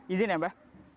izin ya mbah